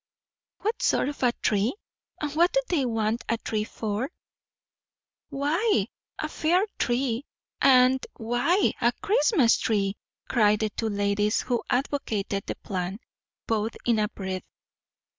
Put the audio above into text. "What sort of a tree? and what do they want a tree for?" "Why, a fir tree!" and, "Why, a Christmas tree!" cried the two ladies who advocated the "plan," both in a breath.